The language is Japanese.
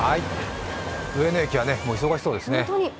上野駅はもう忙しそうですね。